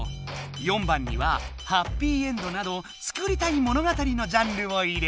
４番にはハッピーエンドなど作りたい物語のジャンルを入れる。